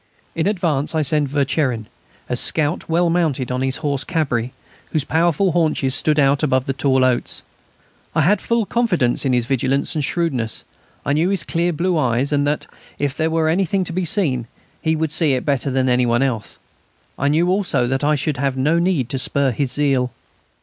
In advance I sent Vercherin, as scout, well mounted on his horse "Cabri," whose powerful haunches stood out above the tall oats. I had full confidence in his vigilance and his shrewdness. I knew his clear blue eyes, and that, if there were anything to be seen, he would see it better than any one else. I knew also that I should have no need to spur his zeal.